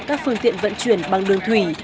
các phương tiện vận chuyển bằng đường thủy